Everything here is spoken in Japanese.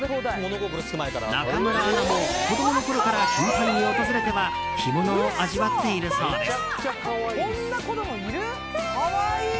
中村アナも子供のころから頻繁に訪れては干物を味わっているそうです。